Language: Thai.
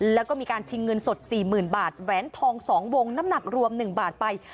แล้วก็มีการชิงเงินสด๔๐๐๐บาทแหวนทอง๒วงน้ำหนักรวม๑บาทไป